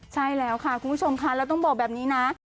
ใช่แล้วค่ะคุณผู้ชมค่ะแล้วต้องบอกแบบนี้นะ